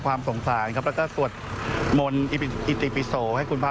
ไปฟังเสียงกันหน่อยนะคะ